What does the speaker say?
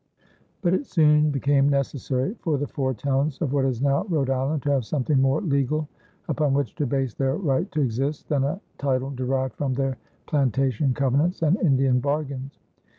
But it soon became necessary for the four towns of what is now Rhode Island to have something more legal upon which to base their right to exist than a title derived from their plantation covenants and Indian bargains.